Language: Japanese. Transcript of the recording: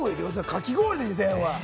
かき氷で２０００円は。